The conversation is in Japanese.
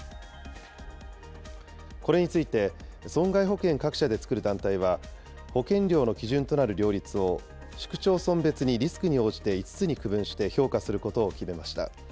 これについて、損害保険各社で作る団体は、保険料の基準となる料率を市区町村別にリスクに応じて５つに区分して評価することを決めました。